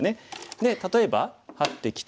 で例えばハッてきて。